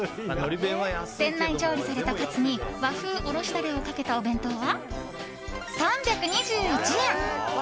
店内調理されたカツに和風おろしダレをかけたお弁当は３２１円。